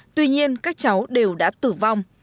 tuy nhiên các cháu đều đã tử vong